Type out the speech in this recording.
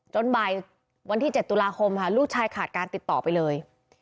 บ่ายวันที่๗ตุลาคมค่ะลูกชายขาดการติดต่อไปเลย